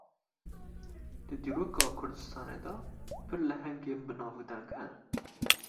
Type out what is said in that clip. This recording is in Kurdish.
Di dîroka Kurdistanê de pir lehengên bi nav û deng hene